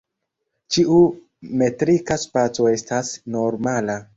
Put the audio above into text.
Ĉiu metrika spaco estas normala.